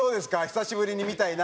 久しぶりに見たいな。